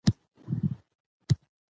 هغه په ناامیدۍ سره خپل لښکر ته راستون شو.